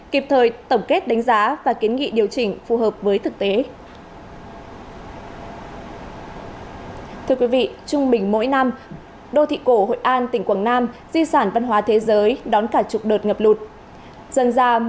kịp thời tổng kết đánh giá và kiến nghị điều chỉnh phù hợp với thực tế